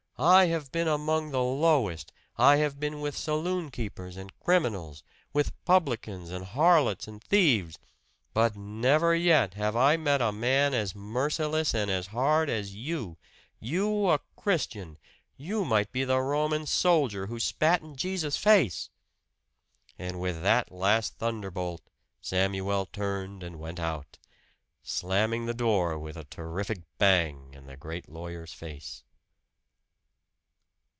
I have been among the lowest I have been with saloon keepers and criminals with publicans and harlots and thieves but never yet have I met a man as merciless and as hard as you! You a Christian you might be the Roman soldier who spat in Jesus' face!" And with that last thunderbolt Samuel turned and went out, slamming the door with a terrific bang in the great lawyer's face.